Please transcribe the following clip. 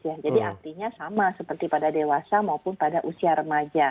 jadi artinya sama seperti pada dewasa maupun pada usia remaja